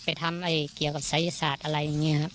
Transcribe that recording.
ไปทำเกี่ยวกับศัยศาสตร์อะไรอย่างนี้ครับ